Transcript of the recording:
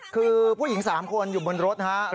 คือผู้หญิง๓คนอยู่บนรถฮะ